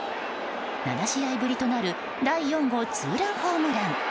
７試合ぶりとなる第４号ツーランホームラン。